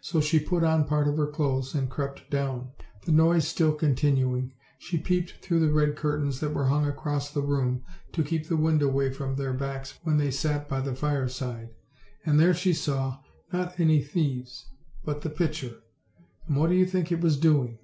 So she put on part of her clothes and crept down. The noise still continuing, she peeped through the red curtains that were hung across the room to keep the wind away from their backs when they sat by the fireside; and there she saw, not any thieves, but the pitcher; and what do you think it was doing?